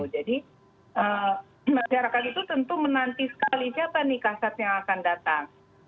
jadi masyarakat itu tentu menanti sekali siapa nih kasat yang akan datang